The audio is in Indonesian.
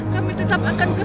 kami tetap akan ke sunan bonang